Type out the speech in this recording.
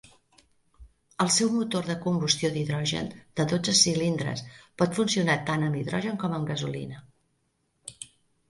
El seu motor de combustió d'hidrogen de dotze cilindres pot funcionar tant amb hidrogen com amb gasolina.